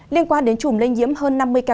liên quan đến chùm lây nhiễm hơn năm mươi ca